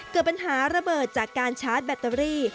เกิดปัญหาระเบิดจากการชาร์จแบตเตอรี่